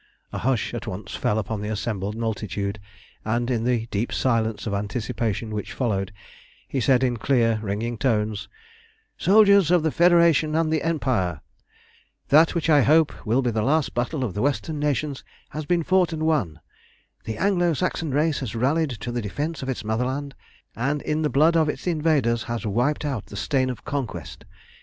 A hush at once fell upon the assembled multitude, and in the deep silence of anticipation which followed, he said in clear, ringing tones "Soldiers of the Federation and the Empire! that which I hope will be the last battle of the Western nations has been fought and won. The Anglo Saxon race has rallied to the defence of its motherland, and in the blood of its invaders has wiped out the stain of conquest.